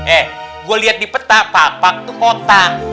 eh gue liat di peta pakpak tuh kotang